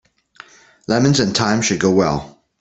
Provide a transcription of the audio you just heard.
Lemons and thyme should go well.